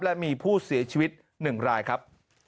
และมีผู้เสียชีวิต๑รายครับ